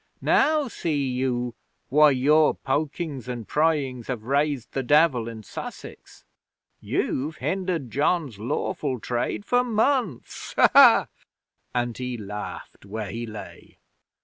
Now see you why your pokings and pryings have raised the Devil in Sussex? You've hindered John's lawful trade for months," and he laughed where he lay.